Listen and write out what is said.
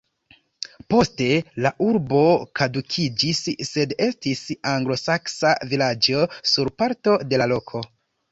Poste la urbo kadukiĝis, sed estis anglosaksa vilaĝo sur parto de la loko.